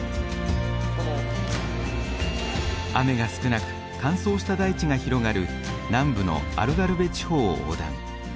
雨が少なく乾燥した大地が広がる南部のアルガルヴェ地方を横断。